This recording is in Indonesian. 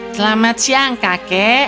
selamat siang kakek